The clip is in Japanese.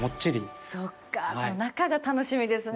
そっかこの中が楽しみですね。